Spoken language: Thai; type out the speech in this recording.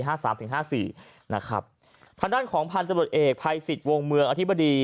สามถึงห้าสี่นะครับทางด้านของพันธบรวจเอกภัยสิทธิ์วงเมืองอธิบดี